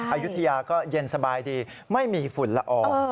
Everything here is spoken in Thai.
อายุทยาก็เย็นสบายดีไม่มีฝุ่นละออง